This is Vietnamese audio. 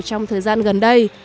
trong thời gian gần đây